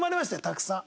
たくさん。